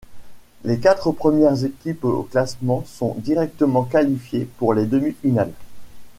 Les quatre premières équipes au classement sont directement qualifiées pour les demi-finales.